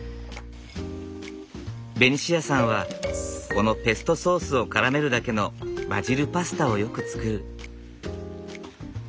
ベニシアさんはこのペストソースをからめるだけのバジルパスタをよく作る。